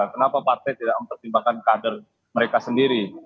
kenapa partai tidak mempertimbangkan kader mereka sendiri